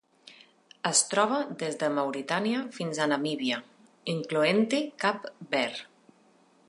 Es troba des de Mauritània fins a Namíbia, incloent-hi Cap Verd.